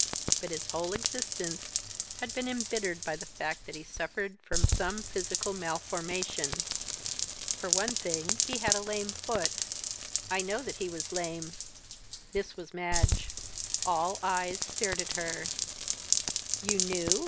But his whole existence had been embittered by the fact that he suffered from some physical malformation. For one thing, he had a lame foot " "I know that he was lame." This was Madge; all eyes stared at her. "You knew?